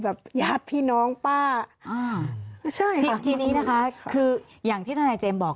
ญาติพี่น้องป้าอ่าใช่ทีนี้นะคะคืออย่างที่ทนายเจมส์บอก